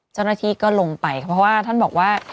เจ้าหน้าที่ก็ลงไปเพราะว่าท่านบอกว่า